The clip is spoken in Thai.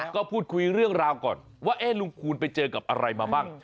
ก็พูดคุยเรื่องราวก่อนว่าลุงคูณไปเจอกับอะไรมาบ้าง